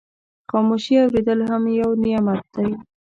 خاموشي اورېدل هم یو نعمت دی.